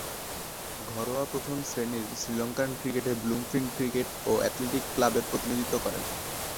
ঘরোয়া প্রথম-শ্রেণীর শ্রীলঙ্কান ক্রিকেটে ব্লুমফিল্ড ক্রিকেট ও অ্যাথলেটিক ক্লাবের প্রতিনিধিত্ব করেন।